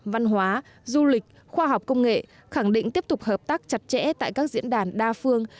văn hóa du lịch khoa học công nghệ khẳng định tiếp tục hợp tác chặt chẽ tại các diễn đàn đa phương